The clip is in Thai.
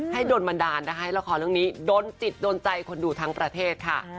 โดนบันดาลนะคะให้ละครเรื่องนี้โดนจิตโดนใจคนดูทั้งประเทศค่ะ